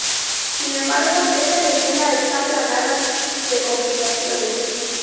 Sin embargo esta leyenda está plagada de complicaciones.